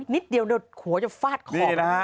นิดเดียวโดดขัวจะฟาดขอบ